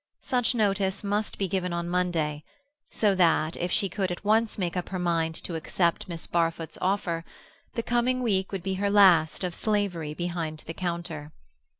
Such notice must be given on Monday, so that, if she could at once make up her mind to accept Miss Barfoot's offer, the coming week would be her last of slavery behind the counter.